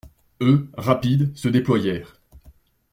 Eux, rapides, se déployèrent.